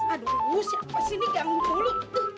aduh siapa sih ini ganggu dulu